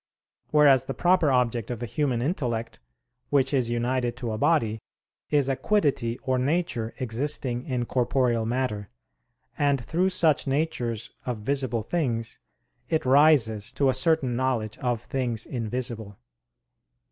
Whereas the proper object of the human intellect, which is united to a body, is a quiddity or nature existing in corporeal matter; and through such natures of visible things it rises to a certain knowledge of things invisible.